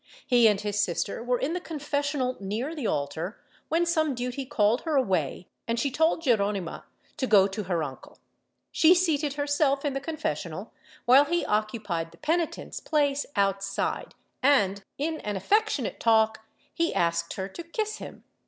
He and his sister were in the confessional near the altar, when some duty called her away and she told Geronima^ to go to her uncle. She seated herself in the confessional, while he occupied the penitent's place outside and, in an affectionate talk, he asked her to kiss him.